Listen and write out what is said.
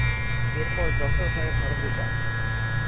এরপর যশোর হয়ে ভারতে যান।